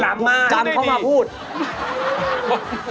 หลามมากนะไม่ได้ดีจำเขามาพูดอื้อฮือ